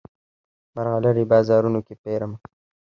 مرغلرې بازارونو کې پیرمه